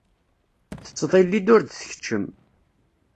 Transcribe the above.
Tettḍilli-d ur d-tkeččem.